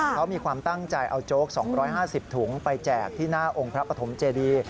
เขามีความตั้งใจเอาโจ๊ก๒๕๐ถุงไปแจกที่หน้าองค์พระปฐมเจดี